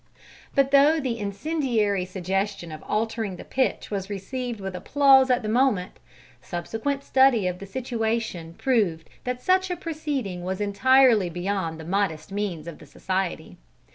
But though the incendiary suggestion of altering the pitch was received with applause at the moment, subsequent study of the situation proved that such a proceeding was entirely beyond the modest means of the society.